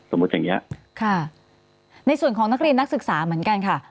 สมมติอย่างนี้ในส่วนของนักเรียนนักศึกษาเหมือนกันค่ะ